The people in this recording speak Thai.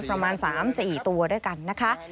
ประมาณ๓๔ตัวด้วยกันนะคะ